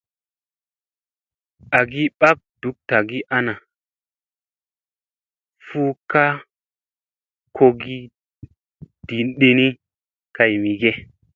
Agi ɓak duk tagi ana, fu ka kogi ɗini kay mi ge.